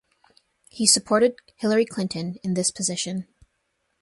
He supported Hillary Clinton in this position.